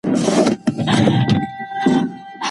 انګلیسي او چینایي ژبې د مصنوعي ځیرکتیا برخه ګرځېدلي دي.